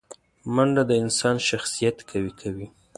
منډه د انسان شخصیت قوي کوي